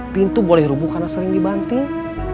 pintu boleh rubuh karena sering dibanting